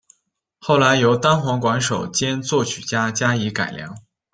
后来由单簧管手兼作曲家加以改良。